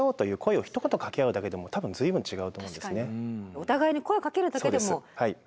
お互いに声をかけるだけでも。